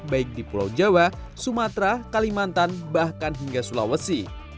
baik di pulau jawa sumatera kalimantan bahkan hingga sulawesi